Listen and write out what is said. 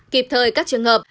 kịp thời các trường hợp